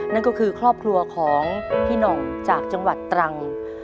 นั่นก็คือครอบครัวของพี่หน่องจากจังหวัดตรัง